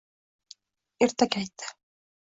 Ertak aytdi